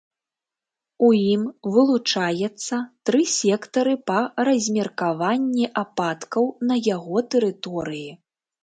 У ім вылучаецца тры сектары па размеркаванні ападкаў на яго тэрыторыі.